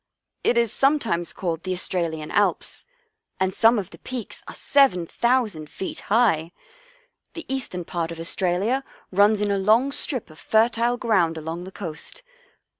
It is sometimes called the Australian Alps, and some of the peaks are 7,000 feet high. The eastern part of Australia runs in a long strip of fertile ground along the coast.